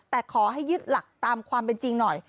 แต่ขอให้ยึดหลักตามความเป็นจริงหน่อย